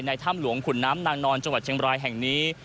ถ้ำหลวงขุนน้ำนางนอนจังหวัดเชียงบรายแห่งนี้